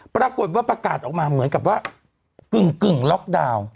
ปรากฏว่าประกาศออกมาเหมือนกับว่ากึ่งล็อกดาวน์